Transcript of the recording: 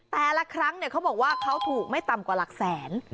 แต่ละครั้งเขาบอกว่าเขาถูกไม่ต่ำกว่าหลักแสน